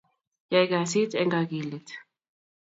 Yai kasit eng kakilet